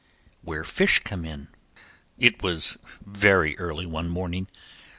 Where Fish Come In It was very early one morning.